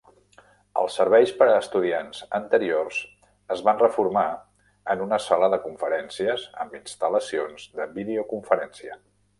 Els serveis per a estudiants anteriors es van reformar en una sala de conferències amb instal·lacions de videoconferència.